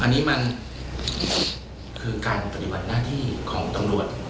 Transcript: อันนี้มันคือการตัดอย่างหน้าที่ของตำรวจ